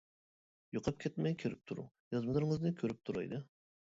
يوقاپ كەتمەي كىرىپ تۇرۇڭ، يازمىلىرىڭىزنى كۆرۈپ تۇرايلى!